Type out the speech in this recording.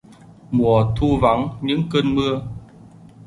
Mùa thu vắng những cơn mưa